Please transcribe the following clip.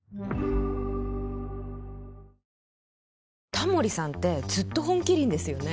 タモリさんってずっと「本麒麟」ですよね。